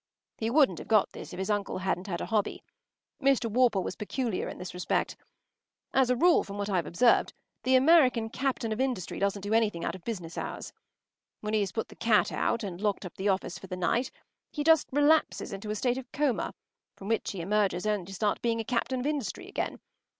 He wouldn’t have got this if his uncle hadn’t had a hobby. Mr. Worple was peculiar in this respect. As a rule, from what I’ve observed, the American captain of industry doesn’t do anything out of business hours. When he has put the cat out and locked up the office for the night, he just relapses into a state of coma from which he emerges only to start being a captain of industry again.